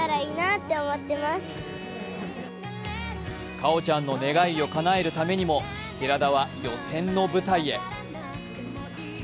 果緒ちゃんの願いをかなえるためにも寺田は予選の舞台へ。